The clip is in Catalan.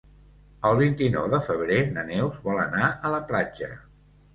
El vint-i-nou de febrer na Neus vol anar a la platja.